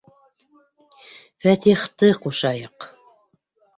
Фәтихте ҡушайыҡ!